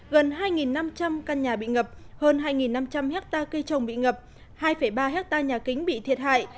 gần hai năm trăm linh căn nhà bị ngập hơn hai năm trăm linh hectare cây trồng bị ngập hai ba hectare nhà kính bị thiệt hại